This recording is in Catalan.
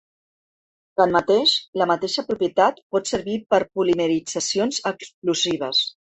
Tanmateix, la mateixa propietat pot servir per polimeritzacions explosives.